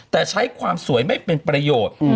แต่ใช้ความสวยไม่เป็นประโยชน์